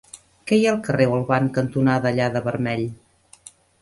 Què hi ha al carrer Olvan cantonada Allada-Vermell?